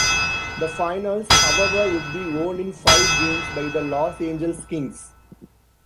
The Finals, however, would be won in five games by the Los Angeles Kings.